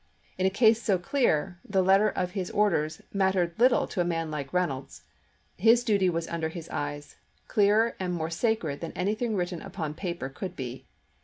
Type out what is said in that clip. In a case so clear, the letter of his 240 ABBAHAM LINCOLN chap. ix. orders mattered little to a man like Reynolds. His duty was under his eyes, clearer and more sacred than anything written upon paper could be.